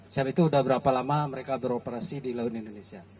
chef itu sudah berapa lama mereka beroperasi di laut indonesia